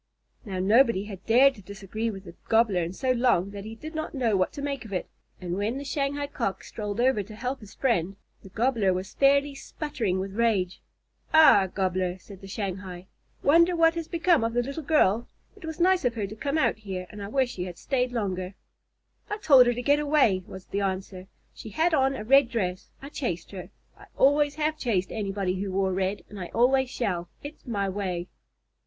Now nobody had dared to disagree with the Gobbler in so long that he did not know what to make of it, and when the Shanghai Cock strolled over to help his friend, the Gobbler was fairly sputtering with rage. "Ah, Gobbler," said the Shanghai, "wonder what has become of the little girl? It was nice of her to come out here, and I wish she had stayed longer." [Illustration: THE BIG GOBBLER CAME PUFFING TOWARD HER.] "I told her to get away," was the answer. "She had on a red dress. I chased her. I always have chased anybody who wore red, and I always shall. It's my way."